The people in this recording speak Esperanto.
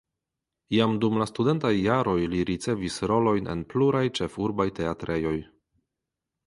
Jam dum la studentaj jaroj li ricevis rolojn en pluraj ĉefurbaj teatrejoj.